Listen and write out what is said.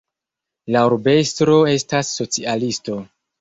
La urbestro estas socialisto.